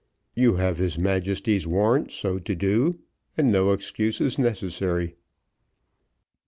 "You have his Majesty's warrant so to do, and no excuse is necessary."